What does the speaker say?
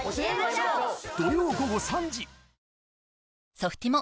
ソフティモ